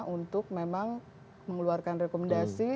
untuk memang mengeluarkan rekomendasi